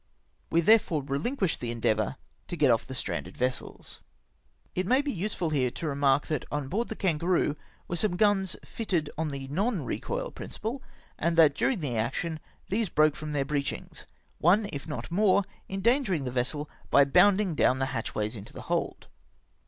We therefore rehnquished the endeavour to get off the stranded vessels. It may be useful here to remark that on board the Kangaroo were some guns fitted on the non recoil prin ciple, and that during the action these broke from their breechings ; one, if not more, endangering the vessel by bounding down the hatchways into the hold.